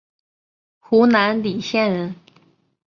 湖南澧县人。